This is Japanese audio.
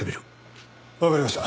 わかりました。